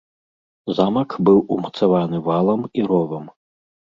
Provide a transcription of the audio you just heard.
Замак быў умацаваны валам і ровам.